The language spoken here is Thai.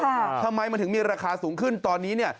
ทำไมมันถึงมีราคาสูงขึ้นตอนนี้เนี่ย